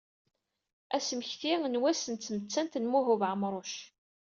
Asmekti n wass n tmettant n Lmuhub Ɛemruc.